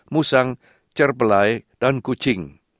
musang cerbelai dan kucing